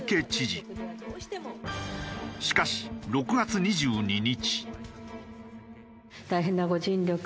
しかし６月２２日。